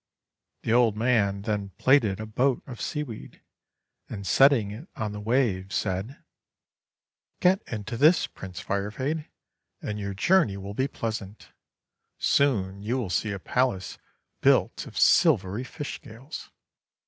The old man then plaited a boat of sea weed, and setting it on the waves, said :— "Get into this, Prince Firefade, and your journey will be pleasant. Soon you will see a palace built of silvery fish scales.